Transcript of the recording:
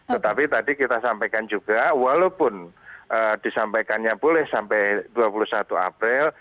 tetapi tadi kita sampaikan juga walaupun disampaikannya boleh sampai dua puluh satu april